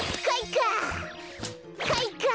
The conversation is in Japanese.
かいか！